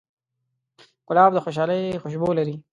ګلاب د خوشحالۍ خوشبو لري.